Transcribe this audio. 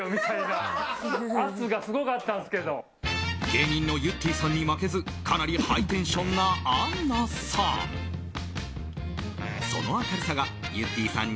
芸人のゆってぃさんに負けずかなりハイテンションなあんなさん。